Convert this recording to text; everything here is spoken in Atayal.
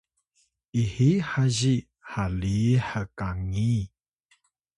ihiy hazi haliy hkangi